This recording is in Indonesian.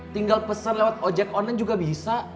tinggal pesan lewat ojek online juga bisa